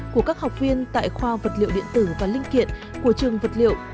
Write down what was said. của các học viên tại khoa vật liệu điện tử và linh kiện của trường vật liệu